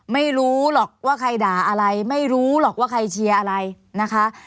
ไม่รู้หรอกว่าใครด่าอะไรไม่รู้หรอกว่าใครเชียร์อะไรนะคะ